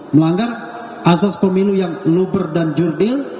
melanggar asas pemilu yang luber dan jurdil